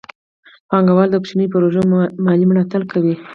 پانګه وال د کوچنیو پروژو مالي ملاتړ کوي.